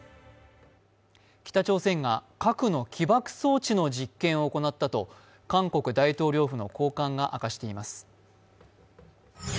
北朝鮮が核の起爆装置の実験を行ったと韓国大統領府の高官が明かしています。